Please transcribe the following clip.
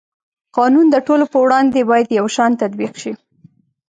قانون د ټولو په وړاندې باید یو شان تطبیق شي.